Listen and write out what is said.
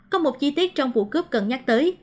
có một chi tiết trong vụ cướp cần nhắc tới